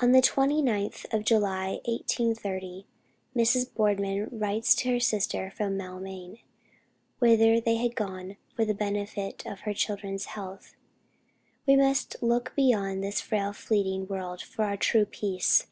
On the 29th of July, 1830, Mrs. Boardman writes to her sister from Maulmain, whither they had gone for the benefit of her children's health: "We must look beyond this frail fleeting world for our true peace.